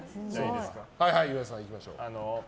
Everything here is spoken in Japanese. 岩井さん、いきましょう。